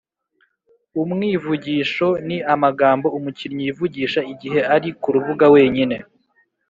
umwivugisho: ni amagambo umukinnyi yivugisha igihe ari ku rubuga wenyine